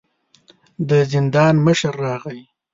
د زندان مشر راغی.